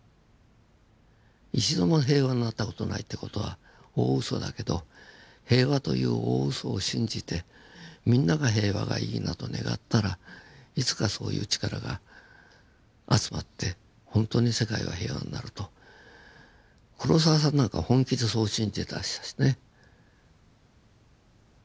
一度も平和になった事ないって事は大ウソだけど平和という大ウソを信じてみんなが平和がいいなと願ったらいつかそういう力が集まってほんとに世界は平和になると黒澤さんなんかは本気でそう信じてたしね。